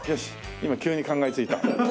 今急に考えついた。